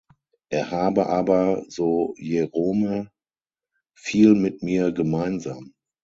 Er habe aber, so Jerome, „viel mit mir gemeinsam“.